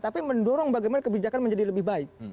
tapi mendorong bagaimana kebijakan menjadi lebih baik